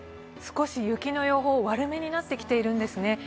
少し雪の予報、悪めになってきているんですね。